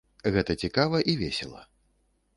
Гэта цікава і весела.